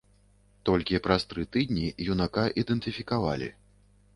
Толькі праз тры тыдні юнака ідэнтыфікавалі.